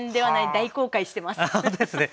大公開してます。ですね。